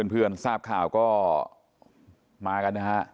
เพื่อนทราบข่าวก็มากันนะฮะ